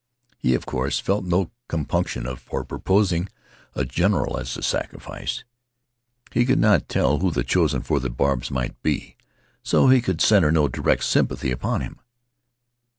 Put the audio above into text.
He of course felt no compunctions for proposing a general as a sacrifice. He could not tell who the chosen for the barbs might be, so he could center no direct sympathy upon him.